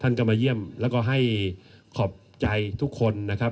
ท่านก็มาเยี่ยมแล้วก็ให้ขอบใจทุกคนนะครับ